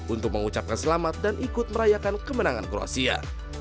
untuk mengucapkan selamat dan ikut merayakan kemenangan kroasia